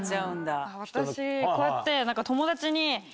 私こうやって。